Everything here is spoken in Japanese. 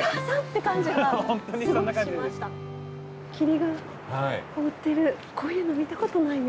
霧が覆ってるこういうの見たことないね。